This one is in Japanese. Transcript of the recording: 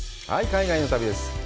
海外の旅です。